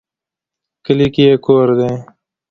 کلي کې یې کور دی